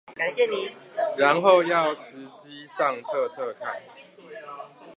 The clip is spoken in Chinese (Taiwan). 然後要實機上測測看